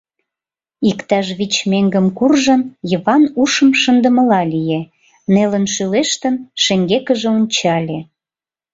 Иктаж вич меҥгым куржын, Йыван ушым шындымыла лие, нелын шӱлештын, шеҥгекыже ончале.